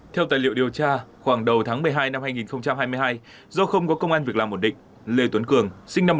theo tài liệu điều tra khoảng đầu tháng một mươi hai năm hai nghìn hai mươi hai do không có công an việc làm ổn định lê tuấn cường sinh năm một nghìn chín trăm tám mươi